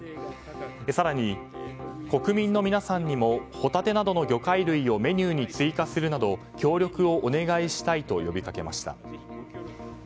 更に国民の皆さんにもホタテなどの魚介類をメニューに追加するなど協力をお願いしたいと協力を呼びかけました。